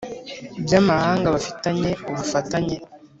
by'amahanga bafitanye ubufatanye?